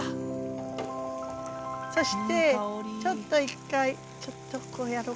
そしてちょっと一回ちょっとこうやろうかな。